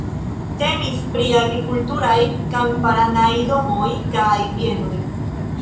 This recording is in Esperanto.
Temis pri agrikulturaj kamparanaj domoj kaj bienoj.